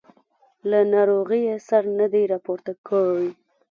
له ناروغۍ یې سر نه دی راپورته کړی.